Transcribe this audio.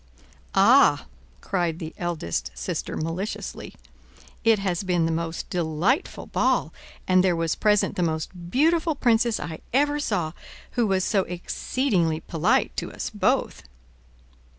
"Ah," cried the eldest sister maliciously, "it has been the most delightful ball, and there was present the most beautiful princess I ever saw, who was so exceedingly polite to us both."